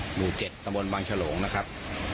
หมู่๗ตะบนบางฉลงนะครับ